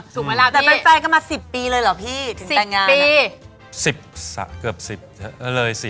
ถูกไหมล่ะพี่แต่เป็นแฟนก็มา๑๐ปีเลยเหรอพี่